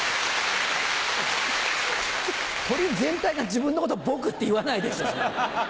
鳥全体が自分のことボクって言わないでしょそれ。